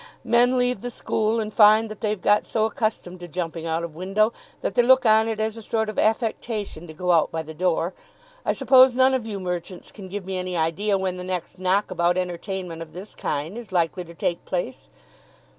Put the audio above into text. Men leave the school, and find that they've got so accustomed to jumping out of window that they look on it as a sort of affectation to go out by the door. I suppose none of you merchants can give me any idea when the next knockabout entertainment of this kind is likely to take place?"